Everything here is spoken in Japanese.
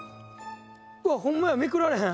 うわっホンマやめくられへん。